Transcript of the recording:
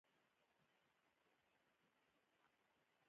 ستاسي سره به وجنګیږو.